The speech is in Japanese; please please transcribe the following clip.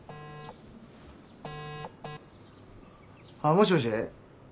もしもし？